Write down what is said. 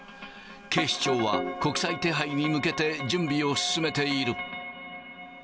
警視庁は国際手配に向けて、準備を進めている。